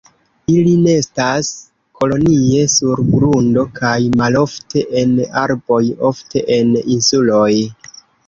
Ili nestas kolonie sur grundo kaj malofte en arboj, ofte en insuloj.